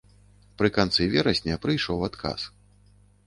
Пры канцы верасня прыйшоў адказ.